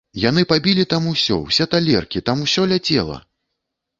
Яны пабілі там усё, усе талеркі, там усё ляцела!